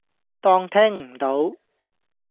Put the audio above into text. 當聽唔到